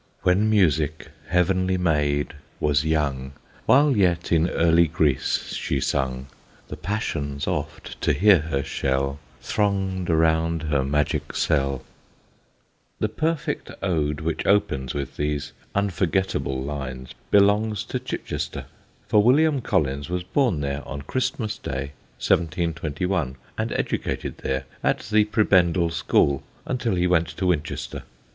When Music, heavenly maid, was young, While yet in early Greece she sung, The Passions oft, to hear her shell, Throng'd around her magic cell The perfect ode which opens with these unforgettable lines belongs to Chichester, for William Collins was born there on Christmas Day, 1721, and educated there, at the Prebendal school, until he went to Winchester.